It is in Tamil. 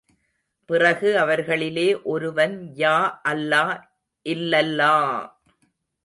பிறகு அவர்களிலே ஒருவன் யா அல்லா இல்லல்லா!